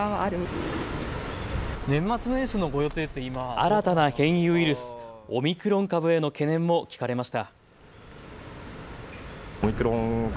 新たな変異ウイルス、オミクロン株への懸念も聞かれました。